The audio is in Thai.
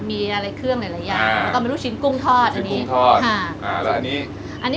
มีอะไรเครื่องหลายหลายอย่างอ่าแล้วก็มีลูกชิ้นกุ้งทอดอันนี้อ่าแล้วอันนี้